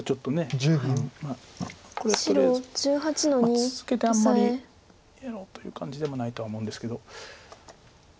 続けてあんまりやろうという感じでもないとは思うんですけど。